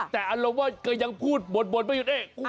แต่ก็ยังพูดบนไม่หยุดเอก